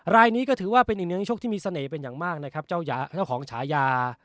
รายนี้ก็ถือว่าเป็นอีกหนึ่งนักชกที่มีเสน่ห์เป็นอย่างมากนะครับเจ้าของฉายา